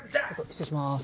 失礼します。